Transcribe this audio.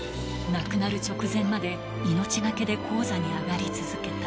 亡くなる直前まで命がけで高座に上がり続けた。